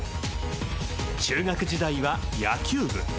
中学時代は野球部。